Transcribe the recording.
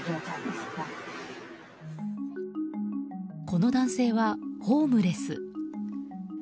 この男性は、ホームレス。